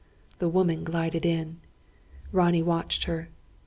The woman glided in. Ronnie watched her.